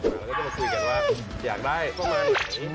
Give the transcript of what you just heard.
เราก็จะมาคุยกันว่าคุณอยากได้ประมาณไหน